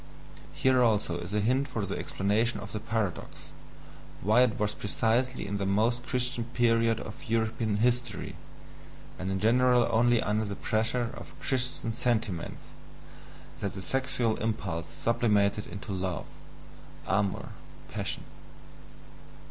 Here also is a hint for the explanation of the paradox, why it was precisely in the most Christian period of European history, and in general only under the pressure of Christian sentiments, that the sexual impulse sublimated into love (amour passion).